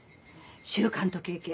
習慣と経験。